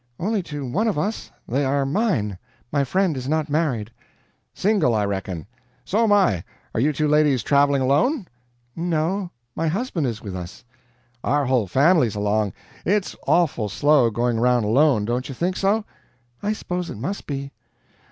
"Only to one of us; they are mine; my friend is not married." "Single, I reckon? So'm I. Are you two ladies traveling alone?" "No my husband is with us." "Our whole family's along. It's awful slow, going around alone don't you think so?" "I suppose it must be."